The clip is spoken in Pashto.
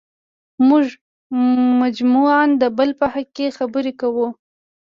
موږ مجموعاً د بل په حق کې خبرې کوو.